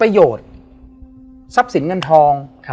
เพื่อที่จะให้แก้วเนี่ยหลอกลวงเค